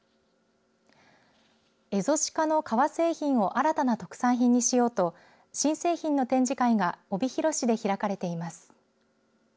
エゾシカの革製品を新たな特産品にしようと新製品の展示会が帯広市で開かれています。